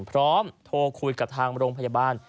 โทรคุยกับทางโรงพยาบาล